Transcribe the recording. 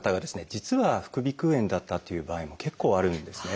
実は副鼻腔炎だったっていう場合も結構あるんですね。